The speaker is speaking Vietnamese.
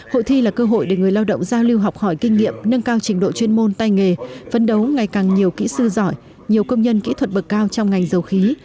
hội thi là cơ hội để người lao động giao lưu học hỏi kinh nghiệm nâng cao trình độ chuyên môn tay nghề phấn đấu ngày càng nhiều kỹ sư giỏi nhiều công nhân kỹ thuật bậc cao trong ngành dầu khí